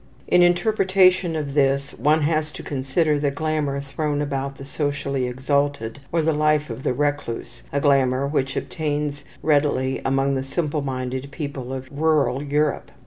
In interpretation of this, one has to consider the glamour thrown about the socially exalted or the life of the recluse a glamour which obtains readily among the simple minded people of rural Europe.